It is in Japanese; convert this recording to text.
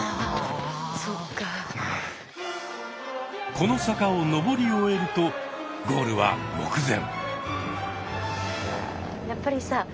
この坂を上り終えるとゴールは目前。